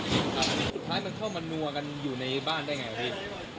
แล้วสายมันเข้ามานัวกันอยู่ในบ้านได้ไงว่ะพี่